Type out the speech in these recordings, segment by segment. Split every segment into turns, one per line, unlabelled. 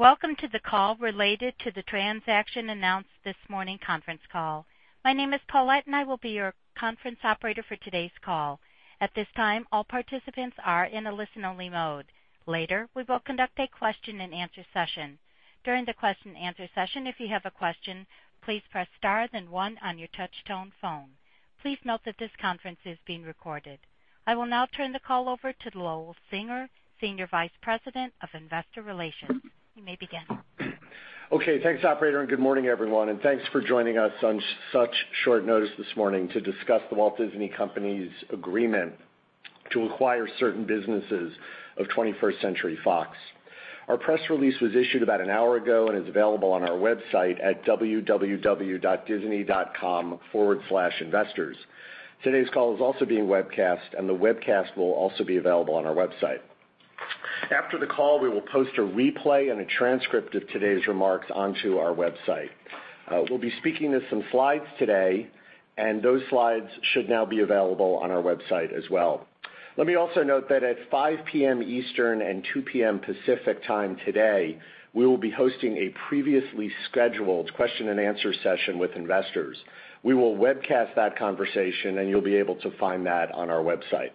Welcome to the call related to the transaction announced this morning conference call. My name is Paulette and I will be your conference operator for today's call. At this time, all participants are in a listen-only mode. Later, we will conduct a question and answer session. During the question and answer session, if you have a question, please press star then one on your touch-tone phone. Please note that this conference is being recorded. I will now turn the call over to Lowell Singer, Senior Vice President of Investor Relations. You may begin.
Okay. Thanks, operator, and good morning, everyone, and thanks for joining us on such short notice this morning to discuss The Walt Disney Company's agreement to acquire certain businesses of 21st Century Fox. Our press release was issued about an hour ago and is available on our website at www.disney.com/investors. Today's call is also being webcast, and the webcast will also be available on our website. After the call, we will post a replay and a transcript of today's remarks onto our website. We'll be speaking to some slides today, and those slides should now be available on our website as well. Let me also note that at 5:00 P.M. Eastern and 2:00 P.M. Pacific Time today, we will be hosting a previously scheduled question and answer session with investors. We will webcast that conversation, and you'll be able to find that on our website.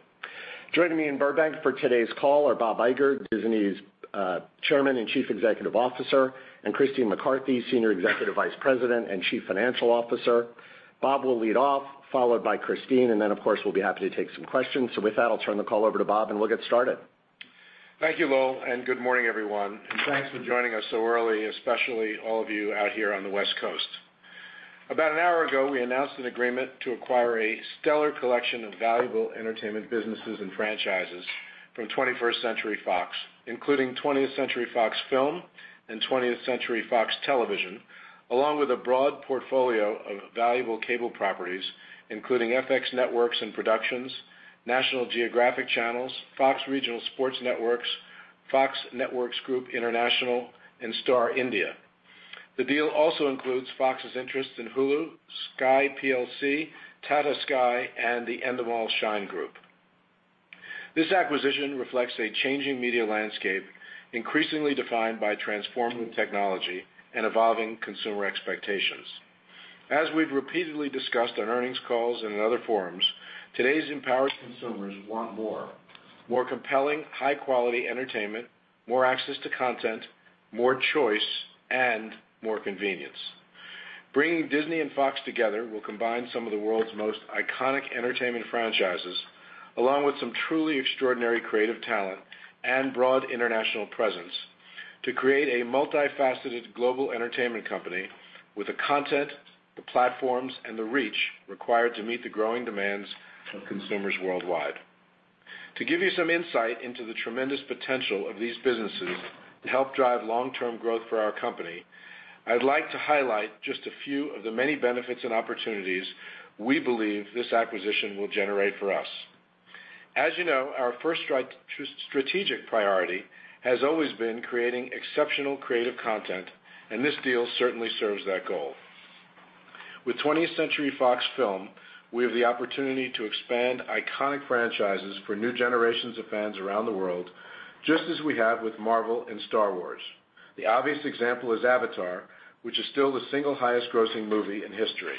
Joining me in Burbank for today's call are Bob Iger, Disney's Chairman and Chief Executive Officer, and Christine McCarthy, Senior Executive Vice President and Chief Financial Officer. Bob will lead off, followed by Christine, and then of course, we'll be happy to take some questions. With that, I'll turn the call over to Bob, and we'll get started.
Thank you, Lowell, and good morning, everyone, and thanks for joining us so early, especially all of you out here on the West Coast. About an hour ago, we announced an agreement to acquire a stellar collection of valuable entertainment businesses and franchises from 21st Century Fox, including 20th Century Fox Film and 20th Century Fox Television, along with a broad portfolio of valuable cable properties, including FX Networks & Productions, National Geographic Channels, Fox Regional Sports Networks, Fox Networks Group International, and Star India. The deal also includes Fox's interest in Hulu, Sky plc, Tata Sky, and the Endemol Shine Group. This acquisition reflects a changing media landscape, increasingly defined by transforming technology and evolving consumer expectations. As we've repeatedly discussed on earnings calls and in other forums, today's empowered consumers want more. More compelling, high-quality entertainment, more access to content, more choice, and more convenience. Bringing Disney and Fox together will combine some of the world's most iconic entertainment franchises, along with some truly extraordinary creative talent and broad international presence to create a multifaceted global entertainment company with the content, the platforms, and the reach required to meet the growing demands of consumers worldwide. To give you some insight into the tremendous potential of these businesses to help drive long-term growth for our company, I'd like to highlight just a few of the many benefits and opportunities we believe this acquisition will generate for us. As you know, our first strategic priority has always been creating exceptional creative content, and this deal certainly serves that goal. With Twentieth Century Fox Film, we have the opportunity to expand iconic franchises for new generations of fans around the world, just as we have with Marvel and Star Wars. The obvious example is Avatar, which is still the single highest-grossing movie in history.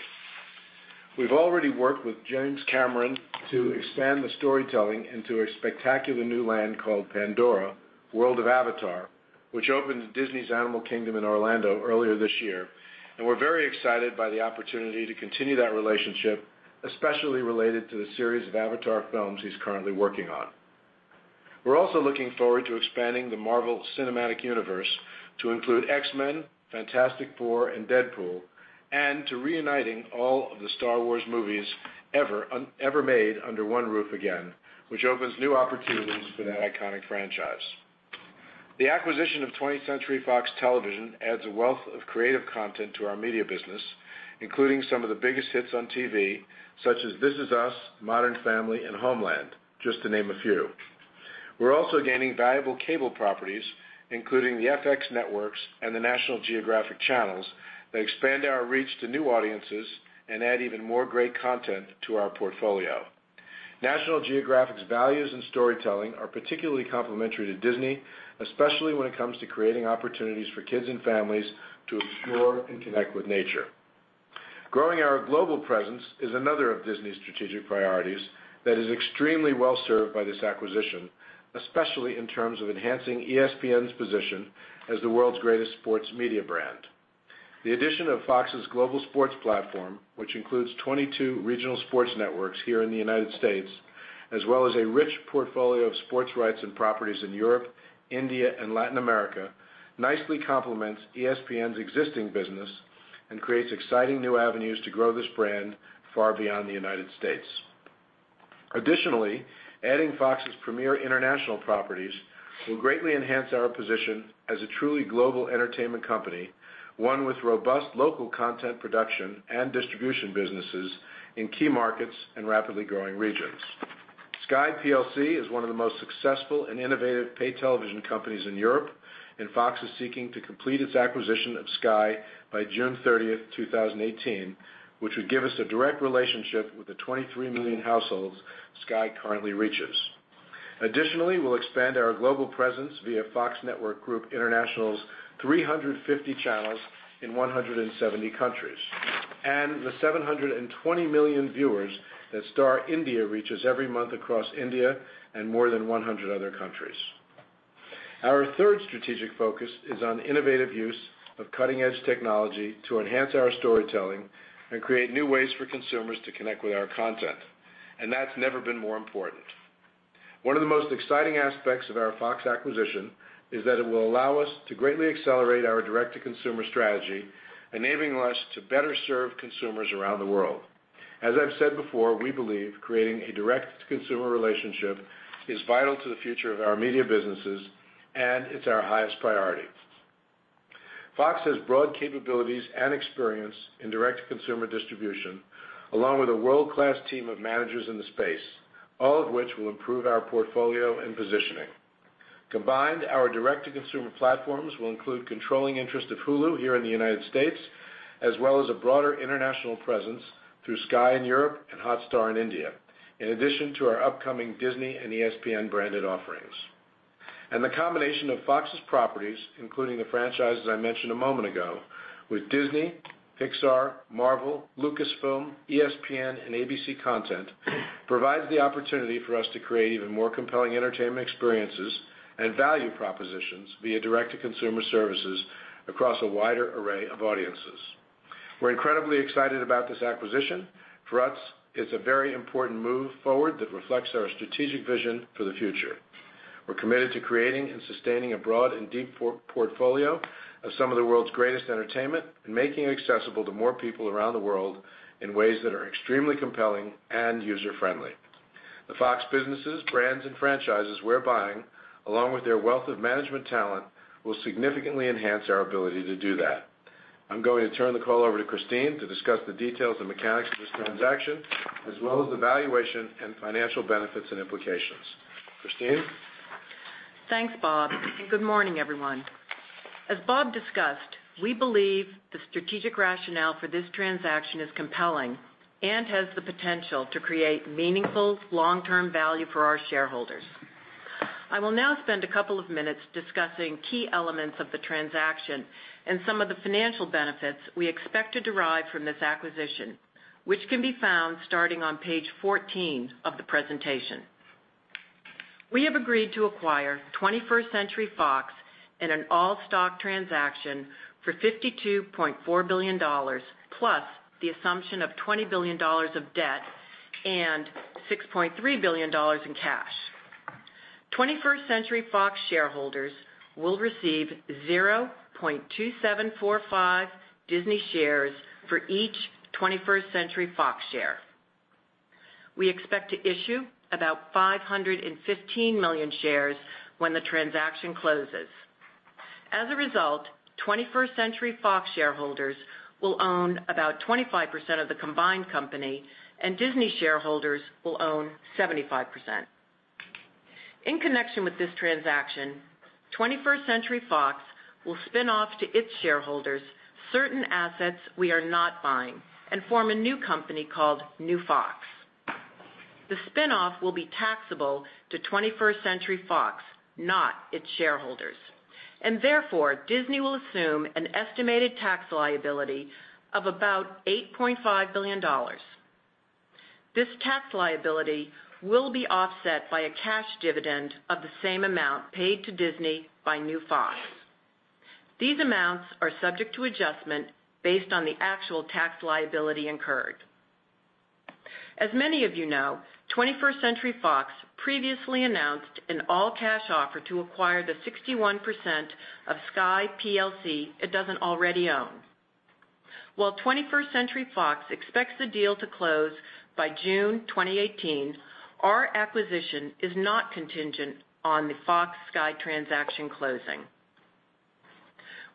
We've already worked with James Cameron to expand the storytelling into a spectacular new land called Pandora – The World of Avatar, which opened at Disney's Animal Kingdom in Orlando earlier this year, and we're very excited by the opportunity to continue that relationship, especially related to the series of Avatar films he's currently working on. We're also looking forward to expanding the Marvel Cinematic Universe to include X-Men, Fantastic Four, and Deadpool, and to reuniting all of the Star Wars movies ever made under one roof again, which opens new opportunities for that iconic franchise. The acquisition of 20th Century Fox Television adds a wealth of creative content to our media business, including some of the biggest hits on TV, such as This Is Us, Modern Family, and Homeland, just to name a few. We're also gaining valuable cable properties, including the FX Networks and the National Geographic Channels, that expand our reach to new audiences and add even more great content to our portfolio. National Geographic's values and storytelling are particularly complementary to Disney, especially when it comes to creating opportunities for kids and families to explore and connect with nature. Growing our global presence is another of Disney's strategic priorities that is extremely well-served by this acquisition, especially in terms of enhancing ESPN's position as the world's greatest sports media brand. The addition of Fox's global sports platform, which includes 22 Regional Sports Networks here in the U.S., as well as a rich portfolio of sports rights and properties in Europe, India, and Latin America, nicely complements ESPN's existing business and creates exciting new avenues to grow this brand far beyond the U.S. Additionally, adding Fox's premier international properties will greatly enhance our position as a truly global entertainment company, one with robust local content production and distribution businesses in key markets and rapidly growing regions. Sky plc is one of the most successful and innovative paid television companies in Europe, and Fox is seeking to complete its acquisition of Sky by June 30th, 2018, which would give us a direct relationship with the 23 million households Sky currently reaches. Additionally, we'll expand our global presence via Fox Networks Group International's 350 channels in 170 countries, and the 720 million viewers that Star India reaches every month across India and more than 100 other countries. Our third strategic focus is on innovative use of cutting-edge technology to enhance our storytelling and create new ways for consumers to connect with our content, and that's never been more important. One of the most exciting aspects of our Fox acquisition is that it will allow us to greatly accelerate our direct-to-consumer strategy, enabling us to better serve consumers around the world. As I've said before, we believe creating a direct-to-consumer relationship is vital to the future of our media businesses, and it's our highest priority. Fox has broad capabilities and experience in direct-to-consumer distribution, along with a world-class team of managers in the space, all of which will improve our portfolio and positioning. Combined, our direct-to-consumer platforms will include controlling interest of Hulu here in the United States, as well as a broader international presence through Sky in Europe and Hotstar in India, in addition to our upcoming Disney and ESPN branded offerings. The combination of Fox's properties, including the franchises I mentioned a moment ago, with Disney, Pixar, Marvel, Lucasfilm, ESPN, and ABC content, provides the opportunity for us to create even more compelling entertainment experiences and value propositions via direct-to-consumer services across a wider array of audiences. We're incredibly excited about this acquisition. For us, it's a very important move forward that reflects our strategic vision for the future. We're committed to creating and sustaining a broad and deep portfolio of some of the world's greatest entertainment and making it accessible to more people around the world in ways that are extremely compelling and user-friendly. The Fox businesses, brands, and franchises we're buying, along with their wealth of management talent, will significantly enhance our ability to do that. I'm going to turn the call over to Christine to discuss the details and mechanics of this transaction, as well as the valuation and financial benefits and implications. Christine?
Thanks, Bob, and good morning, everyone. As Bob discussed, we believe the strategic rationale for this transaction is compelling and has the potential to create meaningful long-term value for our shareholders. I will now spend a couple of minutes discussing key elements of the transaction and some of the financial benefits we expect to derive from this acquisition, which can be found starting on page 14 of the presentation. We have agreed to acquire 21st Century Fox in an all-stock transaction for $52.4 billion, plus the assumption of $20 billion of debt and $6.3 billion in cash. 21st Century Fox shareholders will receive 0.2745 Disney shares for each 21st Century Fox share. We expect to issue about 515 million shares when the transaction closes. As a result, 21st Century Fox shareholders will own about 25% of the combined company, and Disney shareholders will own 75%. In connection with this transaction, 21st Century Fox will spin off to its shareholders certain assets we are not buying and form a new company called New Fox. The spin-off will be taxable to 21st Century Fox, not its shareholders, and therefore, Disney will assume an estimated tax liability of about $8.5 billion. This tax liability will be offset by a cash dividend of the same amount paid to Disney by New Fox. These amounts are subject to adjustment based on the actual tax liability incurred. As many of you know, 21st Century Fox previously announced an all-cash offer to acquire the 61% of Sky plc it doesn't already own. While 21st Century Fox expects the deal to close by June 2018, our acquisition is not contingent on the Fox-Sky transaction closing.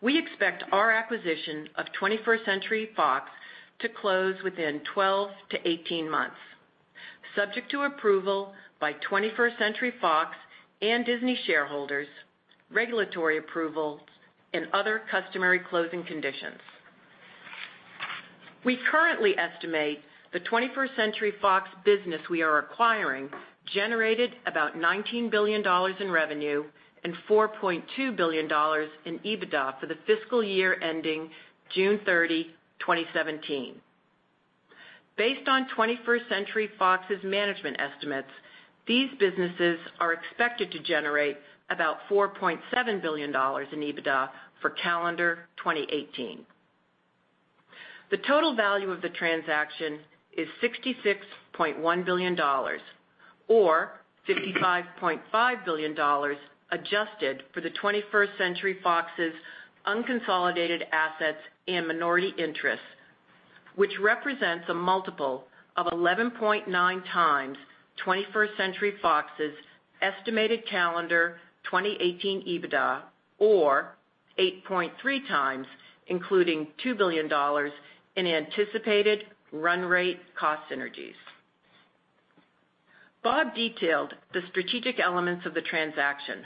We expect our acquisition of 21st Century Fox to close within 12 to 18 months, subject to approval by 21st Century Fox and Disney shareholders, regulatory approvals, and other customary closing conditions. We currently estimate the 21st Century Fox business we are acquiring generated about $19 billion in revenue and $4.2 billion in EBITDA for the fiscal year ending June 30, 2017. Based on 21st Century Fox's management estimates, these businesses are expected to generate about $4.7 billion in EBITDA for calendar 2018. The total value of the transaction is $66.1 billion, or $55.5 billion adjusted for the 21st Century Fox's unconsolidated assets and minority interests, which represents a multiple of 11.9 times 21st Century Fox's estimated calendar 2018 EBITDA, or 8.3 times, including $2 billion in anticipated run rate cost synergies. Bob detailed the strategic elements of the transaction,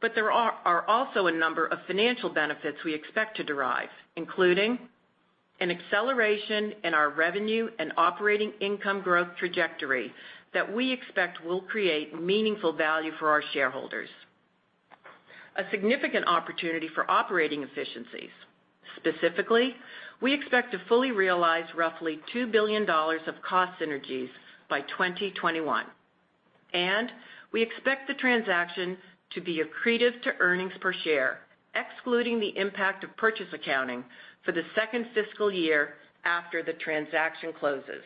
but there are also a number of financial benefits we expect to derive, including an acceleration in our revenue and operating income growth trajectory that we expect will create meaningful value for our shareholders, a significant opportunity for operating efficiencies. Specifically, we expect to fully realize roughly $2 billion of cost synergies by 2021, and we expect the transaction to be accretive to earnings per share, excluding the impact of purchase accounting for the second fiscal year after the transaction closes.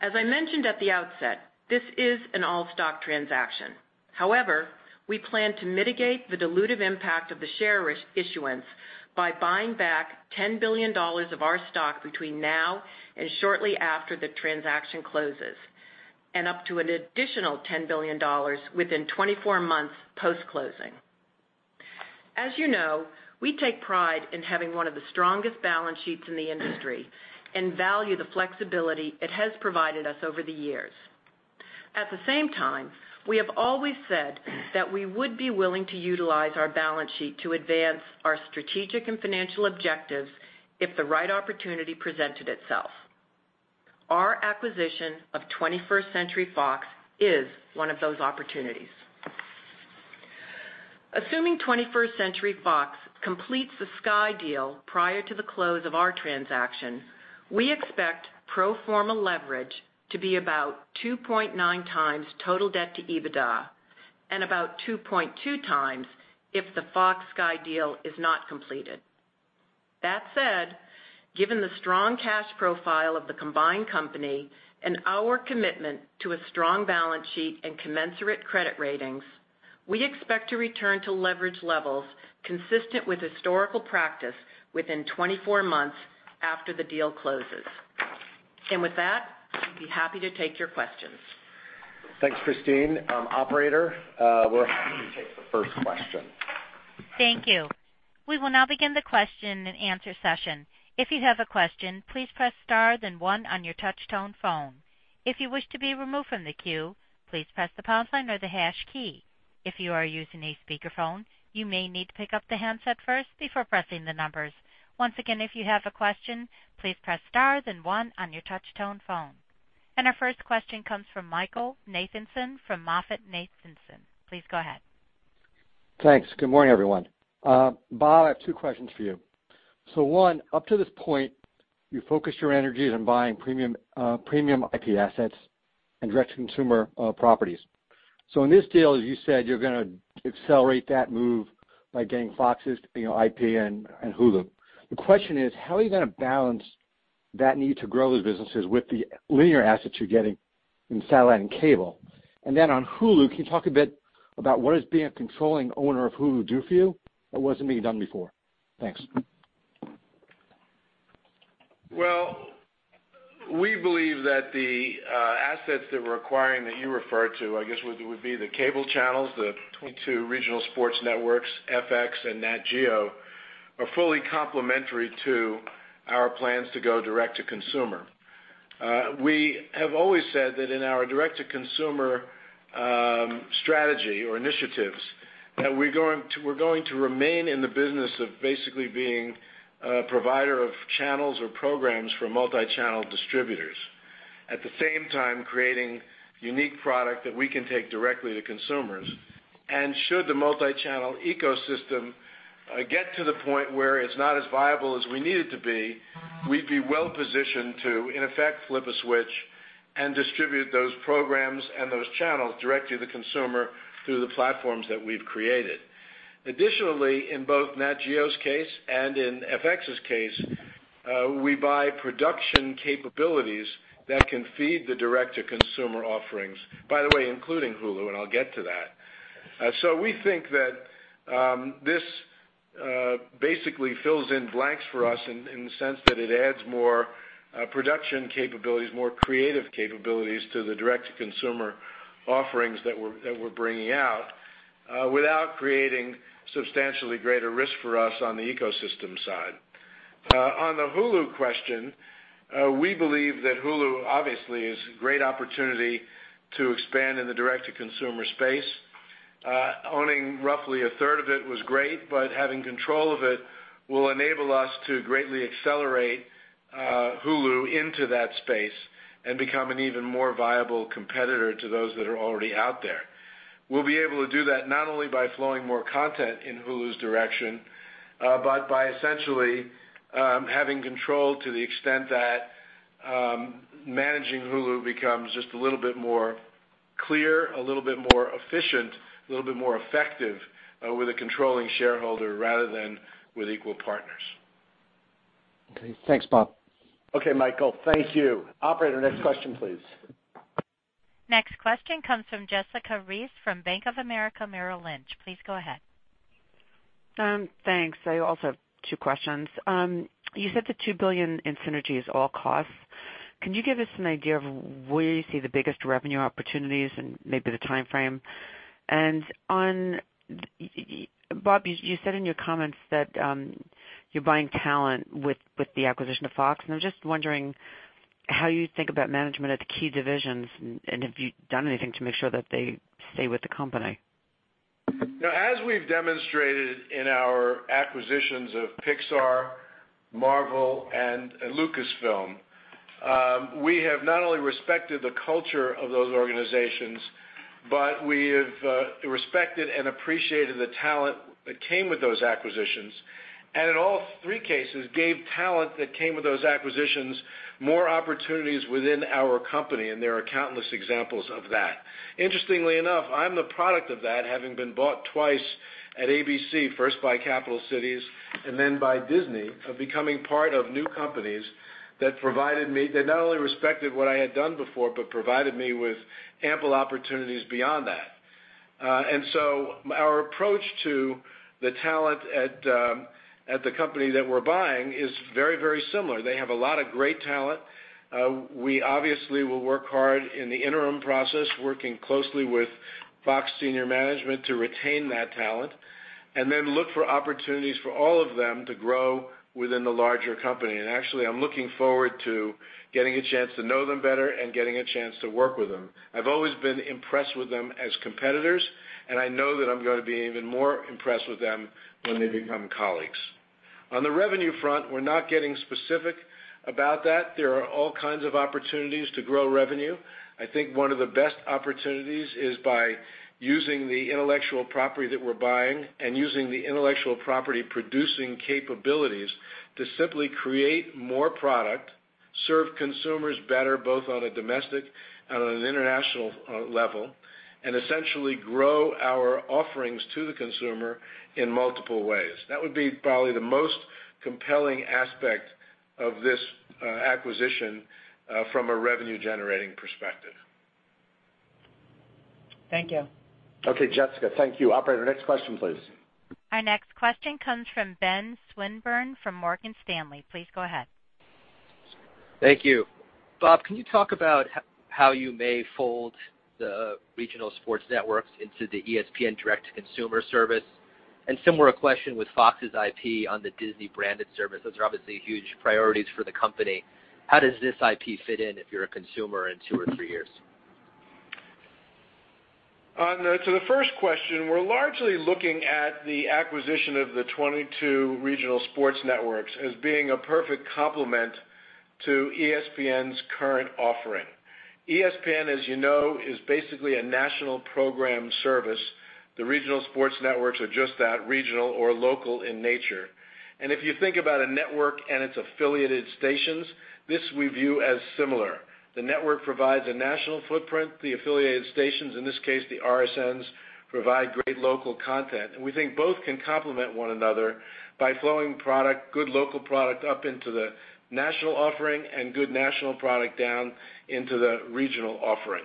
As I mentioned at the outset, this is an all-stock transaction. However, we plan to mitigate the dilutive impact of the share issuance by buying back $10 billion of our stock between now and shortly after the transaction closes, and up to an additional $10 billion within 24 months post-closing. As you know, we take pride in having one of the strongest balance sheets in the industry and value the flexibility it has provided us over the years. At the same time, we have always said that we would be willing to utilize our balance sheet to advance our strategic and financial objectives if the right opportunity presented itself. Our acquisition of 21st Century Fox is one of those opportunities. Assuming 21st Century Fox completes the Sky deal prior to the close of our transaction, we expect pro forma leverage to be about 2.9 times total debt to EBITDA, and about 2.2 times if the Fox-Sky deal is not completed. That said, given the strong cash profile of the combined company and our commitment to a strong balance sheet and commensurate credit ratings, we expect to return to leverage levels consistent with historical practice within 24 months after the deal closes. With that, we'd be happy to take your questions.
Thanks, Christine. Operator, we're happy to take the first question.
Thank you. We will now begin the question and answer session. If you have a question, please press star then one on your touch tone phone. If you wish to be removed from the queue, please press the pound sign or the hash key. If you are using a speakerphone, you may need to pick up the handset first before pressing the numbers. Once again, if you have a question, please press star then one on your touch tone phone. Our first question comes from Michael Nathanson from MoffettNathanson. Please go ahead.
Thanks. Good morning, everyone. Bob, I have two questions for you. One, up to this point, you focused your energies on buying premium IP assets and direct consumer properties. In this deal, as you said, you're going to accelerate that move by getting Fox's IP and Hulu. The question is, how are you going to balance that need to grow those businesses with the linear assets you're getting in satellite and cable? Then on Hulu, can you talk a bit about what does being a controlling owner of Hulu do for you that wasn't being done before? Thanks.
Well, we believe that the assets that we're acquiring that you referred to, I guess, would be the cable channels, the 22 Regional Sports Networks, FX, and Nat Geo, are fully complementary to our plans to go direct to consumer. We have always said that in our direct-to-consumer strategy or initiatives, that we're going to remain in the business of basically being a provider of channels or programs for multi-channel distributors. At the same time, creating unique product that we can take directly to consumers. Should the multi-channel ecosystem get to the point where it's not as viable as we need it to be, we'd be well positioned to, in effect, flip a switch and distribute those programs and those channels direct to the consumer through the platforms that we've created. Additionally, in both Nat Geo's case and in FX's case, we buy production capabilities that can feed the direct-to-consumer offerings. By the way, including Hulu, and I'll get to that. We think that this basically fills in blanks for us in the sense that it adds more production capabilities, more creative capabilities to the direct-to-consumer offerings that we're bringing out without creating substantially greater risk for us on the ecosystem side. On the Hulu question, we believe that Hulu obviously is a great opportunity to expand in the direct-to-consumer space. Owning roughly a third of it was great, but having control of it will enable us to greatly accelerate Hulu into that space and become an even more viable competitor to those that are already out there. We'll be able to do that not only by flowing more content in Hulu's direction, but by essentially having control to the extent that managing Hulu becomes just a little bit more clear, a little bit more efficient, a little bit more effective with a controlling shareholder rather than with equal partners.
Okay. Thanks, Bob.
Okay, Michael. Thank you. Operator, next question, please.
Next question comes from Jessica Reif from Bank of America Merrill Lynch. Please go ahead.
Thanks. I also have two questions. You said the $2 billion in synergy is all costs. Can you give us an idea of where you see the biggest revenue opportunities and maybe the timeframe? Bob, you said in your comments that you're buying talent with the acquisition of Fox, and I'm just wondering how you think about management at the key divisions and have you done anything to make sure that they stay with the company?
As we've demonstrated in our acquisitions of Pixar, Marvel, and Lucasfilm, we have not only respected the culture of those organizations, but we have respected and appreciated the talent that came with those acquisitions. In all three cases, gave talent that came with those acquisitions more opportunities within our company, and there are countless examples of that. Interestingly enough, I'm the product of that, having been bought twice at ABC, first by Capital Cities and then by Disney, of becoming part of new companies that not only respected what I had done before, but provided me with ample opportunities beyond that. Our approach to the talent at the company that we're buying is very similar. They have a lot of great talent. We obviously will work hard in the interim process, working closely with Fox senior management to retain that talent and then look for opportunities for all of them to grow within the larger company. Actually, I'm looking forward to getting a chance to know them better and getting a chance to work with them. I've always been impressed with them as competitors, and I know that I'm going to be even more impressed with them when they become colleagues. On the revenue front, we're not getting specific about that. There are all kinds of opportunities to grow revenue. I think one of the best opportunities is by using the intellectual property that we're buying and using the intellectual property producing capabilities to simply create more product, serve consumers better, both on a domestic and on an international level, and essentially grow our offerings to the consumer in multiple ways. That would be probably the most compelling aspect of this acquisition from a revenue-generating perspective.
Thank you.
Okay, Jessica. Thank you. Operator, next question, please.
Our next question comes from Benjamin Swinburne from Morgan Stanley. Please go ahead.
Thank you. Bob, can you talk about how you may fold the regional sports networks into the ESPN direct-to-consumer service? Similar question with Fox's IP on the Disney-branded service. Those are obviously huge priorities for the company. How does this IP fit in if you're a consumer in two or three years?
To the first question, we're largely looking at the acquisition of the 22 regional sports networks as being a perfect complement to ESPN's current offering. ESPN, as you know, is basically a national program service. The regional sports networks are just that, regional or local in nature. If you think about a network and its affiliated stations, this we view as similar. The network provides a national footprint. The affiliated stations, in this case the RSNs, provide great local content. We think both can complement one another by flowing good local product up into the national offering and good national product down into the regional offering.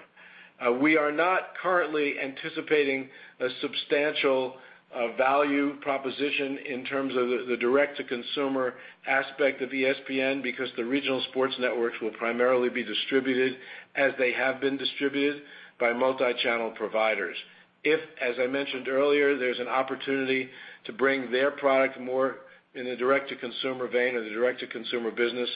We are not currently anticipating a substantial value proposition in terms of the direct-to-consumer aspect of ESPN because the regional sports networks will primarily be distributed as they have been distributed by multi-channel providers. If, as I mentioned earlier, there's an opportunity to bring their product more in a direct-to-consumer vein or the direct-to-consumer business,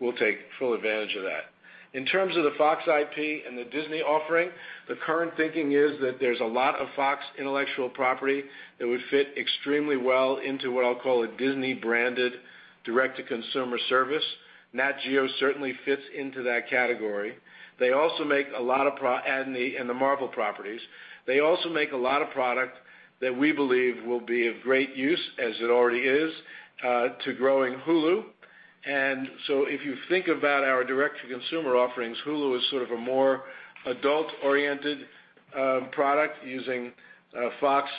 we'll take full advantage of that. In terms of the Fox IP and the Disney offering, the current thinking is that there's a lot of Fox intellectual property that would fit extremely well into what I'll call a Disney-branded direct-to-consumer service. Nat Geo certainly fits into that category and the Marvel properties. They also make a lot of product that we believe will be of great use as it already is to growing Hulu. If you think about our direct-to-consumer offerings, Hulu is sort of a more adult-oriented product using 20th Century Fox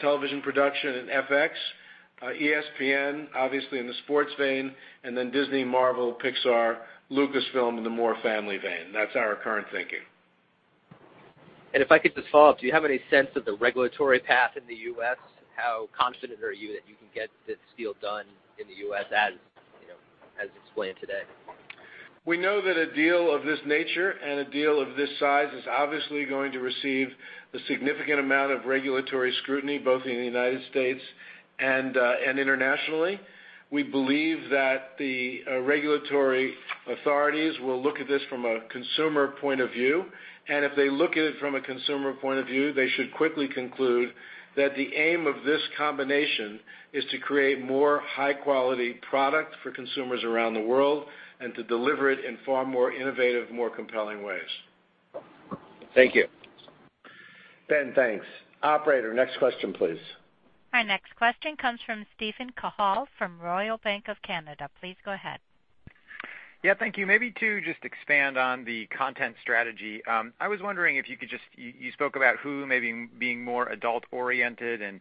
Television and FX, ESPN, obviously in the sports vein, and then Disney, Marvel, Pixar, Lucasfilm in the more family vein. That's our current thinking.
If I could just follow up, do you have any sense of the regulatory path in the U.S.? How confident are you that you can get this deal done in the U.S. as explained today?
We know that a deal of this nature and a deal of this size is obviously going to receive a significant amount of regulatory scrutiny, both in the United States and internationally. We believe that the regulatory authorities will look at this from a consumer point of view, and if they look at it from a consumer point of view, they should quickly conclude that the aim of this combination is to create more high-quality product for consumers around the world and to deliver it in far more innovative, more compelling ways.
Thank you.
Ben, thanks. Operator, next question, please.
Our next question comes from Steven Cahall from Royal Bank of Canada. Please go ahead.
Yeah, thank you. To just expand on the content strategy. I was wondering if you could, you spoke about Hulu maybe being more adult-oriented and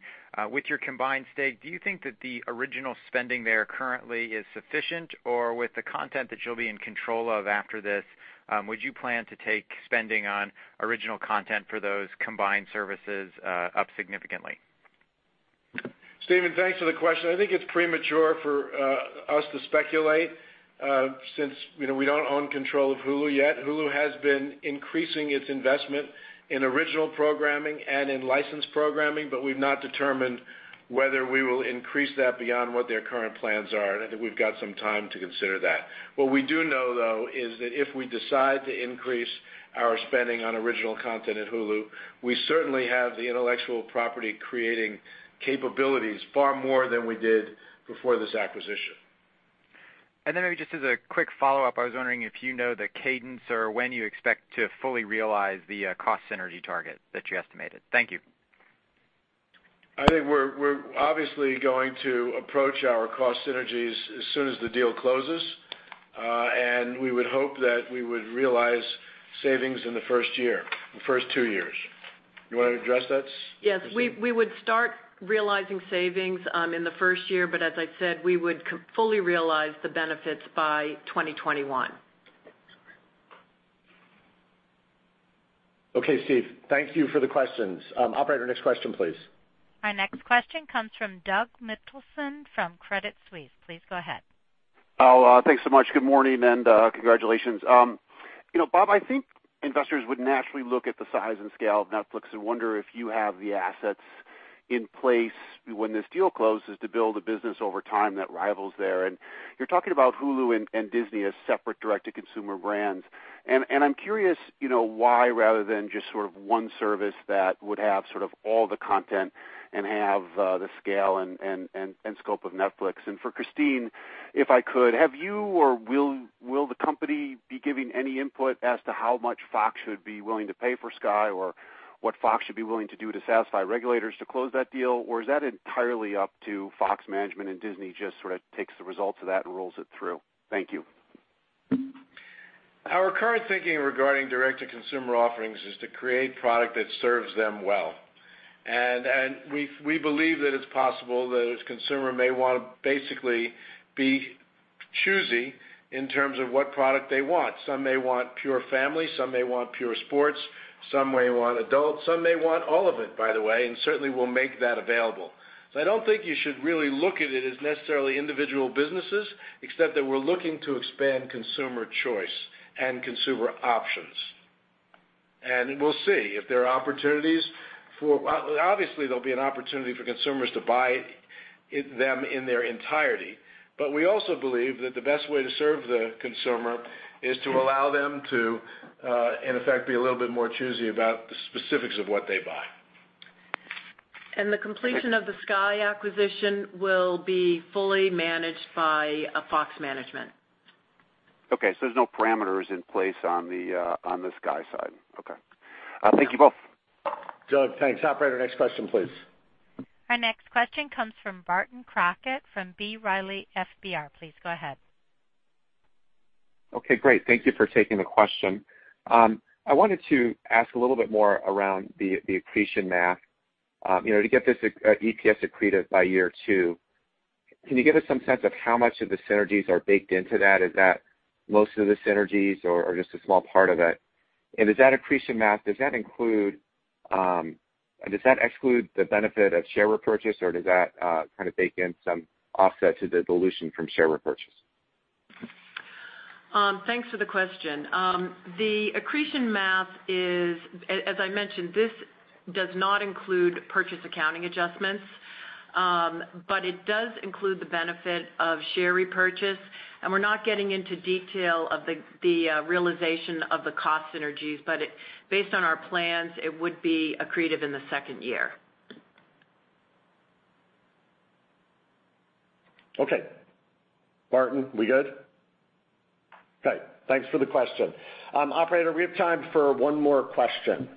with your combined stake, do you think that the original spending there currently is sufficient? With the content that you'll be in control of after this would you plan to take spending on original content for those combined services up significantly?
Steven, thanks for the question. I think it's premature for us to speculate since we don't own control of Hulu yet. Hulu has been increasing its investment in original programming and in licensed programming, we've not determined whether we will increase that beyond what their current plans are, and I think we've got some time to consider that. What we do know, though, is that if we decide to increase our spending on original content at Hulu, we certainly have the intellectual property-creating capabilities, far more than we did before this acquisition.
Maybe just as a quick follow-up, I was wondering if you know the cadence or when you expect to fully realize the cost synergy target that you estimated. Thank you.
I think we're obviously going to approach our cost synergies as soon as the deal closes. We would hope that we would realize savings in the first year, the first two years. You want to address that, Christine?
Yes. We would start realizing savings in the first year, but as I said, we would fully realize the benefits by 2021.
Okay, Steve. Thank you for the questions. Operator, next question, please.
Our next question comes from Douglas Mitchelson from Credit Suisse. Please go ahead.
Oh, thanks so much. Good morning and congratulations. Bob, I think investors would naturally look at the size and scale of Netflix and wonder if you have the assets in place when this deal closes to build a business over time that rivals theirs. You're talking about Hulu and Disney as separate direct-to-consumer brands. I'm curious why, rather than just one service that would have all the content and have the scale and scope of Netflix. For Christine, if I could, have you or will the company be giving any input as to how much Fox should be willing to pay for Sky or what Fox should be willing to do to satisfy regulators to close that deal? Is that entirely up to Fox management and Disney just sort of takes the results of that and rolls it through? Thank you.
Our current thinking regarding direct-to-consumer offerings is to create product that serves them well. We believe that it's possible that a consumer may want to basically be choosy in terms of what product they want. Some may want pure family, some may want pure sports, some may want adult, some may want all of it, by the way, and certainly we'll make that available. I don't think you should really look at it as necessarily individual businesses, except that we're looking to expand consumer choice and consumer options. We'll see if there are opportunities for Obviously, there'll be an opportunity for consumers to buy them in their entirety. We also believe that the best way to serve the consumer is to allow them to, in effect, be a little bit more choosy about the specifics of what they buy.
The completion of the Sky acquisition will be fully managed by Fox management.
Okay, there's no parameters in place on the Sky side. Okay. Thank you both.
Doug, thanks. Operator, next question, please.
Our next question comes from Barton Crockett from B. Riley FBR. Please go ahead.
Okay, great. Thank you for taking the question. I wanted to ask a little bit more around the accretion math. To get this EPS accreted by year two, can you give us some sense of how much of the synergies are baked into that? Is that most of the synergies or just a small part of it? Is that accretion math, does that exclude the benefit of share repurchase, or does that kind of bake in some offset to the dilution from share repurchase?
Thanks for the question. The accretion math is, as I mentioned, this does not include purchase accounting adjustments. It does include the benefit of share repurchase, we're not getting into detail of the realization of the cost synergies. Based on our plans, it would be accretive in the second year.
Okay. Barton, we good? Okay. Thanks for the question. Operator, we have time for one more question.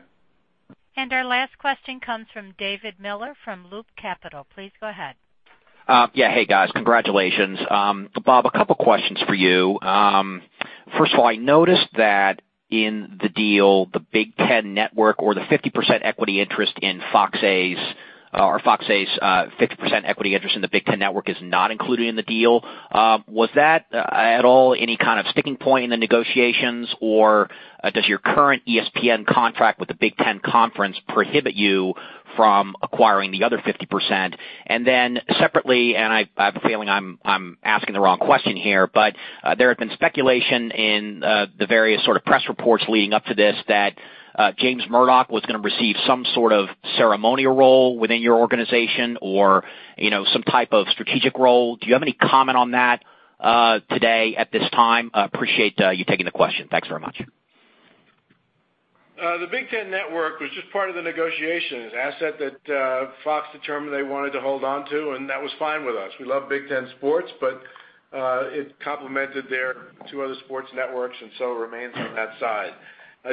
Our last question comes from David Miller from Loop Capital. Please go ahead.
Yeah. Hey, guys. Congratulations. Bob, a couple questions for you. First of all, I noticed that in the deal, the Big Ten Network or the 50% equity interest in Fox RSNs, or Fox RSNs 50% equity interest in the Big Ten Network is not included in the deal. Was that at all any kind of sticking point in the negotiations, or does your current ESPN contract with the Big Ten Conference prohibit you from acquiring the other 50%? Then separately, I have a feeling I'm asking the wrong question here, there have been speculation in the various sort of press reports leading up to this that James Murdoch was going to receive some sort of ceremonial role within your organization or some type of strategic role. Do you have any comment on that today at this time? Appreciate you taking the question. Thanks very much.
The Big Ten Network was just part of the negotiation. It was an asset that Fox determined they wanted to hold onto, that was fine with us. We love Big Ten Sports, it complemented their two other sports networks remains on that side.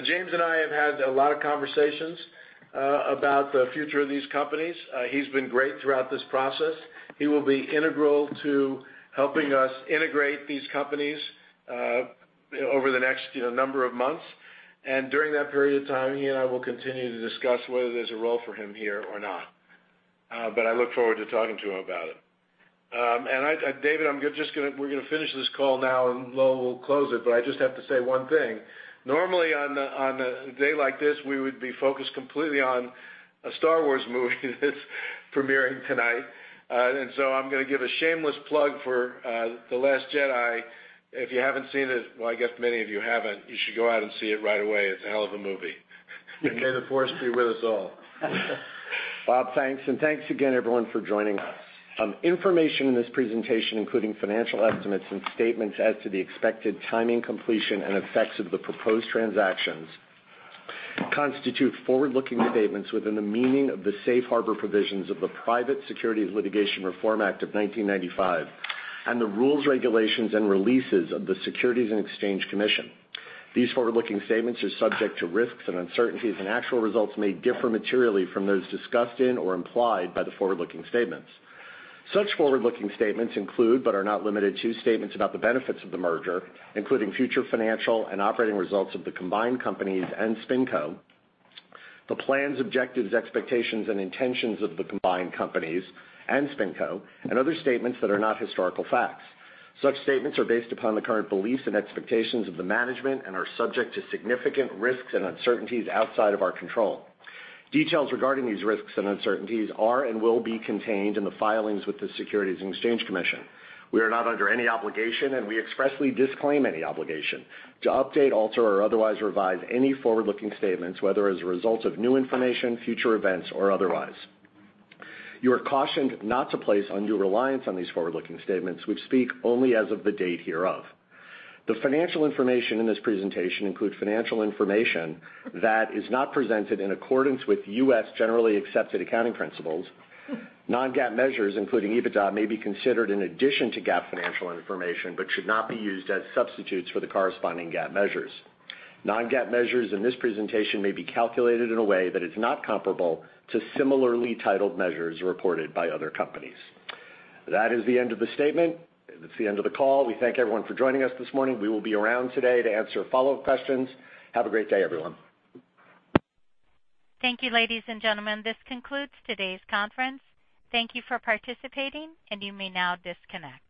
James and I have had a lot of conversations about the future of these companies. He's been great throughout this process. He will be integral to helping us integrate these companies over the next number of months. During that period of time, he and I will continue to discuss whether there's a role for him here or not. I look forward to talking to him about it. David, we're going to finish this call now, Lowell will close it, I just have to say one thing. Normally on a day like this, we would be focused completely on a "Star Wars" movie that's premiering tonight. I'm going to give a shameless plug for "The Last Jedi." If you haven't seen it, well, I guess many of you haven't, you should go out and see it right away. It's a hell of a movie. May the force be with us all.
Bob, thanks. Thanks again, everyone, for joining us. Information in this presentation, including financial estimates and statements as to the expected timing, completion, and effects of the proposed transactions, constitute forward-looking statements within the meaning of the Safe Harbor provisions of the Private Securities Litigation Reform Act of 1995 and the rules, regulations, and releases of the Securities and Exchange Commission. These forward-looking statements are subject to risks and uncertainties, and actual results may differ materially from those discussed in or implied by the forward-looking statements. Such forward-looking statements include, but are not limited to, statements about the benefits of the merger, including future financial and operating results of the combined companies and SpinCo, the plans, objectives, expectations, and intentions of the combined companies and SpinCo, and other statements that are not historical facts. Such statements are based upon the current beliefs and expectations of the management and are subject to significant risks and uncertainties outside of our control. Details regarding these risks and uncertainties are and will be contained in the filings with the Securities and Exchange Commission. We are not under any obligation, and we expressly disclaim any obligation to update, alter, or otherwise revise any forward-looking statements, whether as a result of new information, future events, or otherwise. You are cautioned not to place undue reliance on these forward-looking statements, which speak only as of the date hereof. The financial information in this presentation includes financial information that is not presented in accordance with U.S. generally accepted accounting principles. Non-GAAP measures, including EBITDA, may be considered in addition to GAAP financial information but should not be used as substitutes for the corresponding GAAP measures. Non-GAAP measures in this presentation may be calculated in a way that is not comparable to similarly titled measures reported by other companies. That is the end of the statement. That's the end of the call. We thank everyone for joining us this morning. We will be around today to answer follow-up questions. Have a great day, everyone. Thank you, ladies and gentlemen. This concludes today's conference. Thank you for participating, and you may now disconnect.